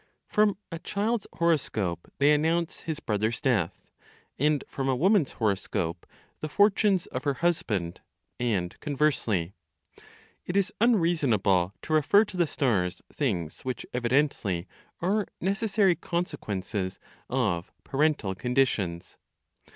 From a child's horoscope, they announce his brother's death; and from a woman's horoscope, the fortunes of her husband, and conversely. It is unreasonable to refer to the stars things which evidently are necessary consequences of parental conditions.